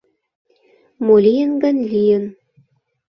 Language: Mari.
Мо лийын гын, лийын.